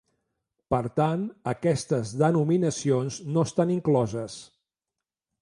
Per tant, aquestes denominacions no estan incloses.